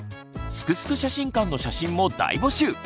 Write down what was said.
「すくすく写真館」の写真も大募集！